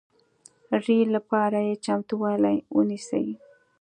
ري لپاره یې چمتوالی ونیسئ